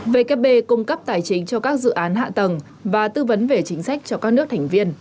vkp cung cấp tài chính cho các dự án hạ tầng và tư vấn về chính sách cho các nước thành viên